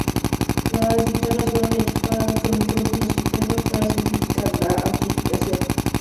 Las guitarras fueron equipadas con micrófonos internos para simplificar la amplificación.